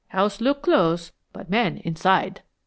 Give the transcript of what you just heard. House look close, but men inside."